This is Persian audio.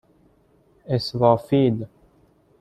اِسرافیل